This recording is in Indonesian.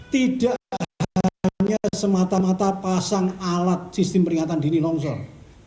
tidak hanya semata mata pasang alat sistem peringatan dini longsor